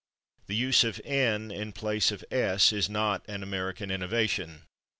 The use of /n/ in place of /s/ is not an American innovation.